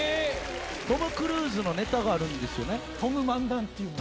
トム・クルーズのネタがあるんですよね？